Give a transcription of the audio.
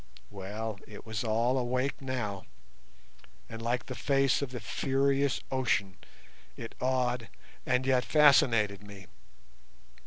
Well, it was all awake now, and like the face of the furious ocean it awed and yet fascinated me.